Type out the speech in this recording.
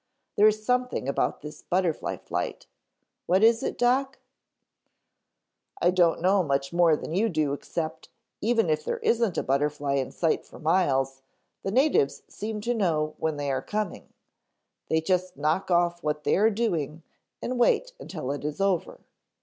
There is something about this Butterfly Flight; what is it Doc?" "I don't know much more than you do except even if there isn't a butterfly in sight for miles, the natives seem to know when they are coming. They just knock off what they are doing and wait until it is over.